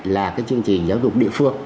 là cái chương trình giáo dục địa phương